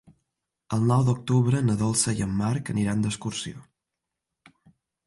El nou d'octubre na Dolça i en Marc aniran d'excursió.